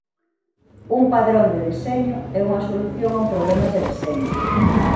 Un padrón de deseño é unha solución a un problema de deseño.